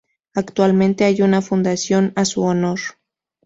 Actualmente hay una fundación a su honor.